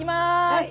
はい。